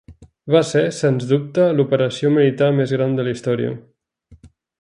Va ser, sens dubte, l'operació militar més gran de la història.